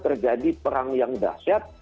terjadi perang yang dahsyat